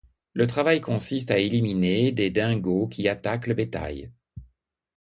Le travail consiste à éliminer des dingos qui attaquent le bétail.